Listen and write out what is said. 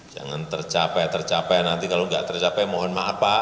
jangan tercapai tercapai nanti kalau nggak tercapai mohon maaf pak